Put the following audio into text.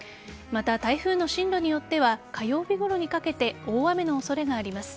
また、台風の進路によっては火曜日ごろにかけて大雨の恐れがあります。